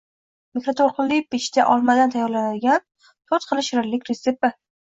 Mikroto‘lqinli pechda olmadan tayyorlanadiganto´rtxil shirinlik retsepti